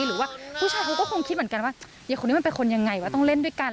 หรือว่าผู้ชายเขาก็คงคิดเหมือนกันว่าเด็กคนนี้มันเป็นคนยังไงวะต้องเล่นด้วยกัน